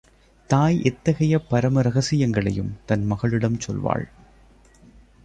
தாய் எத்தகைய பரம இரகசியங்களையும் தன் மகளிடம் சொல்வாள்.